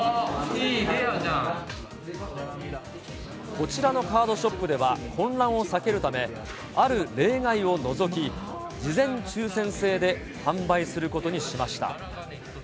こちらのカードショップでは、混乱を避けるため、ある例外を除き、事前抽せん制で販売することにしました。